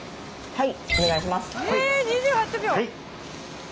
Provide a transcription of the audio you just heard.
はい。